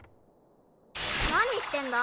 何してんだ？